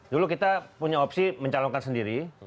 dulu kita punya opsi mencalonkan sendiri